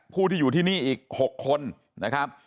ผู้ที่อยู่ที่นี่อีก๖คนนะครับ